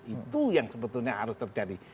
itu yang sebetulnya harus terjadi